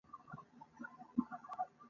پاکستان ونشو کړې